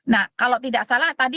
nah kalau tidak salah tadi